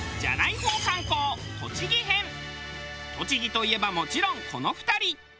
栃木といえばもちろんこの２人。